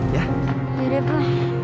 ya udah pak